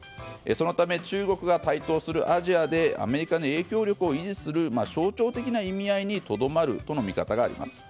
そのため中国が台頭するアジアでアメリカの影響力を維持する象徴的な意味合いにとどまるとの見方があります。